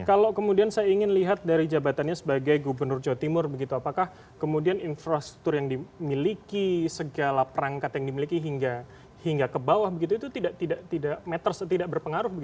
kalau kemudian saya ingin lihat dari jabatannya sebagai gubernur jawa timur begitu apakah kemudian infrastruktur yang dimiliki segala perangkat yang dimiliki hingga ke bawah begitu itu tidak berpengaruh